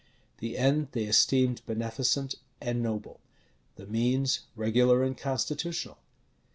The end they esteemed beneficent and noble; the means, regular and constitutional.